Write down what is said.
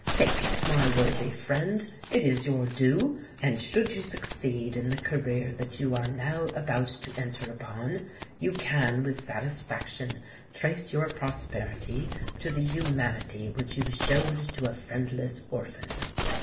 Take it, my worthy friend—it is your due; and, should you succeed in the career that you are now about to enter upon, you can with satisfaction trace your prosperity to the humanity which you showed to a friendless orphan."